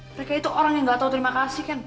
mereka itu orang yang gak tau terima kasih ken